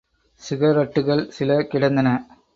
சிகரட்டுகள் சில கிடந்தன.